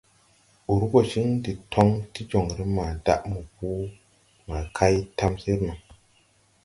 Ur gɔ ciŋ de ton ti joŋre ma daʼ mɔpɔ ma kay tamsir no.